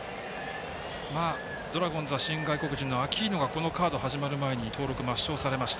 ドラゴンズは新外国人のアキーノがこのカードが始まる前に登録抹消されました。